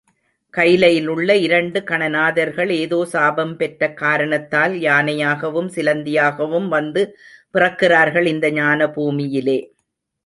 கைலையிலுள்ள இரண்டு கணநாதர்கள் ஏதோ சாபம் பெற்ற காரணத்தால் யானையாகவும் சிலந்தியாகவும் வந்து பிறக்கிறார்கள் இந்த ஞானபூமியிலே.